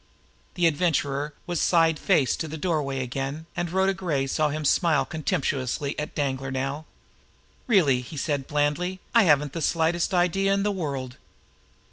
The Adventurer was side face to the doorway again, and Rhoda Gray saw him smile contemptuously at Danglar now. "Really," he said blandly, "I haven't the slightest idea in the world."